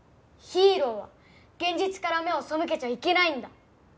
ヒーローは現実から目を背けちゃいけないんだ。